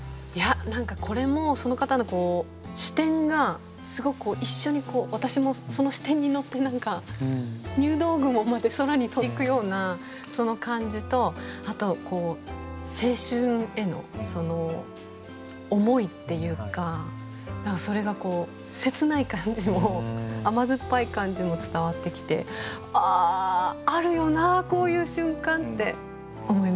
何かこれもその方の視点がすごく一緒にこう私もその視点に乗って何か入道雲まで空に飛んでいくようなその感じとあと青春への思いっていうか何かそれが切ない感じも甘酸っぱい感じも伝わってきて「ああるよなこういう瞬間」って思います。